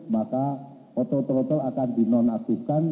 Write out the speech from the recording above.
maka auto throttle akan di nonaktifkan